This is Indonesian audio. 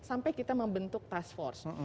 sampai kita membentuk task force